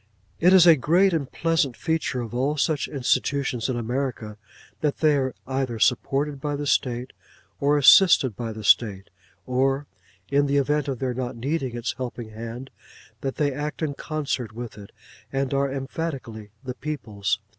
It is a great and pleasant feature of all such institutions in America, that they are either supported by the State or assisted by the State; or (in the event of their not needing its helping hand) that they act in concert with it, and are emphatically the people's.